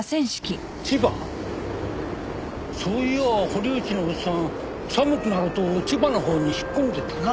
そういやあ堀内のおっさん寒くなると千葉のほうに引っ込んでたな。